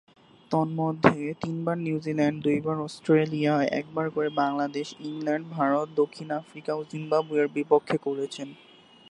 তন্মধ্যে, তিনবার নিউজিল্যান্ড, দুইবার অস্ট্রেলিয়া ও একবার করে বাংলাদেশ, ইংল্যান্ড, ভারত, দক্ষিণ আফ্রিকা ও জিম্বাবুয়ের বিপক্ষে করেছেন।